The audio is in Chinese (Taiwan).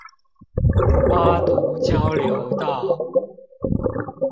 八堵交流道